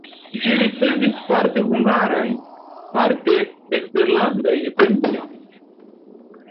Ŝi ricevis parte hungarajn, parte eksterlandajn premiojn.